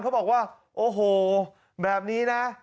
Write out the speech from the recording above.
เขาบอกว่าโอ้โหแบบนี้นะ